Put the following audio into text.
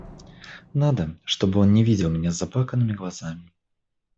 Надо, чтобы он не видел меня с заплаканными глазами.